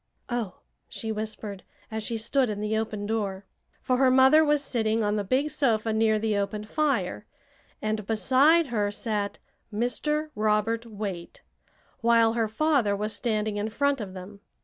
"Oh!" she whispered, as she stood in the open door. For her mother was sitting on the big sofa near the open fire, and beside her sat Mr. Robert Waite, while her father was standing in front of them.